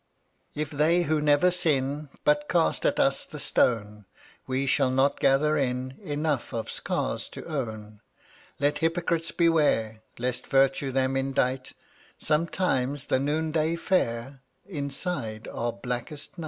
96 If they who never sin But cast at us the stone, We shall not gather in Enough of scars to own. Let hypocrites beware Lest Virtue them indite; Sometimes the noonday fair, Inside, are blackest night.